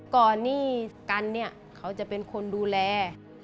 ก่อนนี่กันเขาจะเป็นคนดูแล